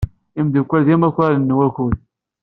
Imeddukal d imakaren n wakud.